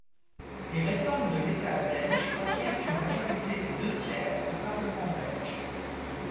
Les réformes de l'État belge requièrent une majorité des deux tiers au Parlement belge.